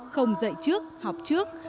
không dạy trước học trước